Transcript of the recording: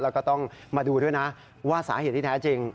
แล้วก็ต้องมาดูด้วยนะว่าสาเหตุที่แท้จริง